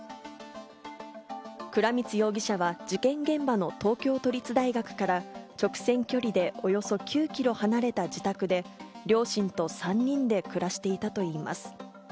倉光容疑者は事件現場の東京都立大学から直線距離でおよそ９キロ離れた自宅で、両親と３人で暮らしていたといいます。